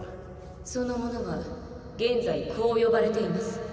その者は現在こう呼ばれています。